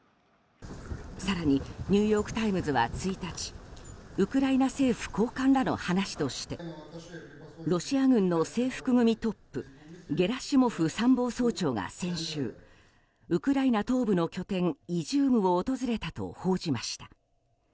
更に、ニューヨーク・タイムズは１日ウクライナ政府高官らの話としてロシア軍の制服組トップゲラシモフ参謀総長が先週、ウクライナ東部の拠点イジュームを訪れたと報じました。